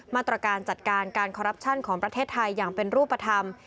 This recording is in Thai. มาตรการจัดการการคอรัปชั่นของประเทศไทยอย่างเป็นรูปธรรม